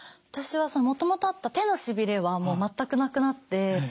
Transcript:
私はもともとあった手のしびれはもう全くなくなって。